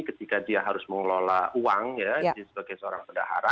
ketika dia harus mengelola uang sebagai seorang pedahara